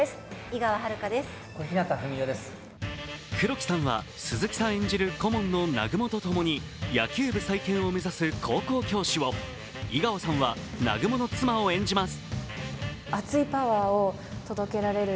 黒木さんは鈴木さん演じる顧問の南雲と共に、野球部再建を目指す高校教師を、井川さんは南雲の妻を演じます。